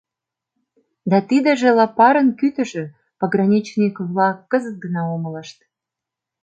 — Да тидыже лопарын кӱтӱжӧ!.. — пограничник-влак кызыт гына умылышт.